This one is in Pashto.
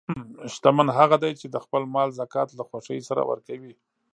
شتمن هغه دی چې د خپل مال زکات له خوښۍ سره ورکوي.